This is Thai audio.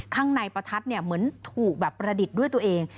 ข้างในประทัดเนี่ยเหมือนถูกแบบประดิษฐ์ด้วยตัวเอง